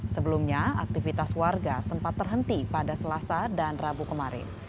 sebelumnya aktivitas warga sempat terhenti pada selasa dan rabu kemarin